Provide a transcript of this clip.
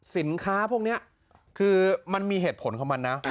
สินค้าพวกเนี่ยมันมีเหตุผลเค้ามันนะค่ะ